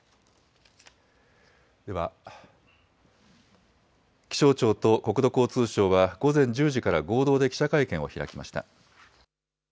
では気象庁と国土交通省は午前１０時から合同で記者会見を開きました。